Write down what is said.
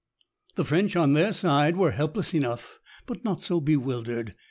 The French, on their side, were helpless enough, but not so bewildered.